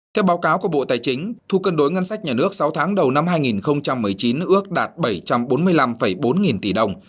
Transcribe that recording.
theo báo cáo của bộ tài chính thu cân đối ngân sách nhà nước sáu tháng đầu năm hai nghìn một mươi chín ước đạt bảy trăm bốn mươi năm bốn nghìn tỷ đồng